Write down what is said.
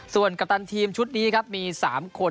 ส่วนกัปตันทีมชุดนี้ครับมี๓คน